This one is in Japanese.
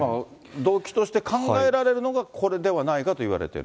動機として考えられるのが、これではないかといわれている。